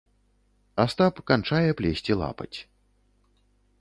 Астап канчае плесці лапаць.